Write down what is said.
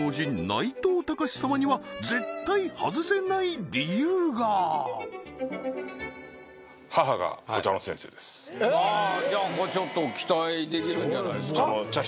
内藤剛志様には絶対外せない理由がああーじゃあこれちょっと期待できるんじゃないですか？